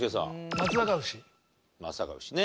松阪牛ね。